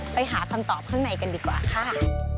ไปหาคำตอบข้างในกันดีกว่าค่ะ